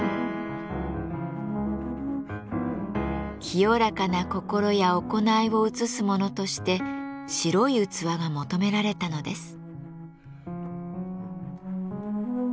清らかな心や行いを映すものとして白い器が求められたのです。